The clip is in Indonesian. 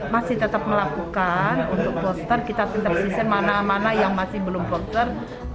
masih tetap melakukan untuk poster kita pinterpresir mana mana yang masih belum booster